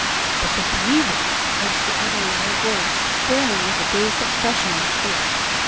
"But the breathing?" urged the other in a low voice, staring with a dazed expression on his face.